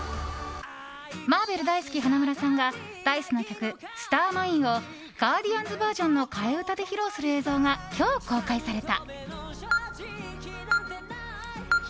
マーベル大好き花村さんがＤａ‐ｉＣＥの曲「スターマイン」をガーディアンズバージョンの替え歌で披露する映像が今日公開された。